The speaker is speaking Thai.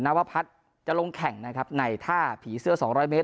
นัวพัดจะลงแข่งนะครับในท่าผีเสื้อสองร้อยเมตร